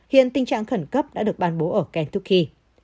hiện tình trạng khẩn cấp đã được ban bố ở kentucky